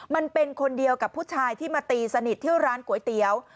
มันเป็นคนเดียวกับผู้ชายที่มาตีสนิทที่ร้านก๋วยเตี๋ยว